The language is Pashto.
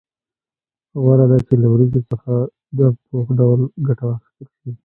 غوره ده چې له وریجو څخه دم پوخ ډول ګټه واخیستل شي.